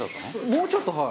もうちょっとはい。